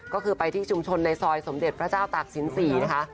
ก็คือไปที่ชุมชนในซอยสมเด็จพระเจ้าตากศิลป๔นะคะ